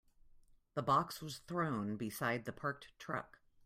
The box was thrown beside the parked truck.